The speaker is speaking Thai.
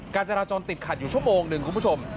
การจราจรติดขัดอยู่ชั่วโมงหนึ่งคุณผู้ชม